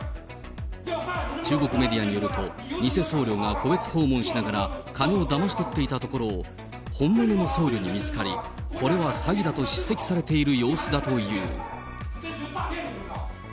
中国メディアによると、偽僧侶が戸別訪問しながら金をだまし取っていたところを本物の僧侶に見つかり、これは詐欺だと叱責されている様子だという。